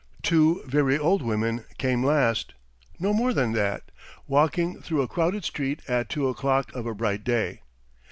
Two very old women came last. No more than that, walking through a crowded street at two o'clock of a bright day!